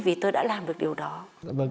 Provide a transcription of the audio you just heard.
vì tôi đã làm được điều đó